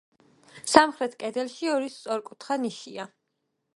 სამხრეთ კედელში ორი სწორკუთხა ნიშია.